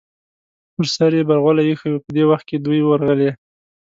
پر سر یې برغولی ایښی و، په دې وخت کې دوی ورغلې.